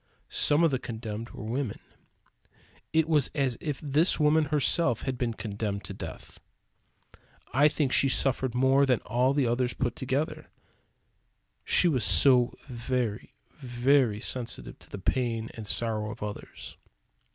Some of the condemned were women. It was as if this woman herself had been condemned to death. I think she suffered more than all the others put together; she was so very, very sensitive to the pain and sorrow of others.